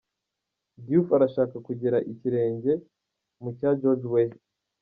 Diouf arashaka kugera ikirenge mu cya George Weah.